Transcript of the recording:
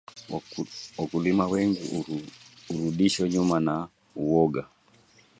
wakulima wengi hurudishwa nyuma na uoga